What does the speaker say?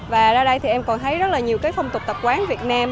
và ra đây thì em còn thấy rất là nhiều cái phong tục tập quán việt nam